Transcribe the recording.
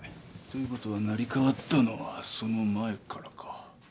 ということは成り代わったのはその前からか。